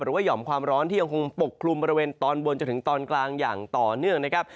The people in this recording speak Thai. หย่อมความร้อนที่ยังคงปกคลุมบริเวณตอนบนจนถึงตอนกลางอย่างต่อเนื่องนะครับ